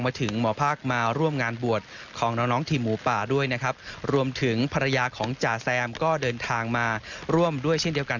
มาถึงภรรยาของจ๋าแซมก็เดินทางมาร่วมด้วยเช่นเดียวกัน